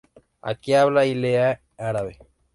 Aquí habla y lee árabe.